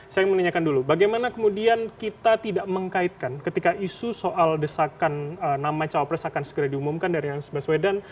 saya ingin menanyakan dulu bagaimana kemudian kita tidak mengkaitkan ketika isu soal desakan nama cawapres akan segera diumumkan dari anies baswedan